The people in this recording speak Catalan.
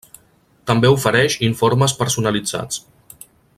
També ofereix informes personalitzats.